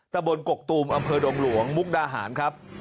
ตะบนกกตูมอำเภอดงหลวงมุกดาหารครับ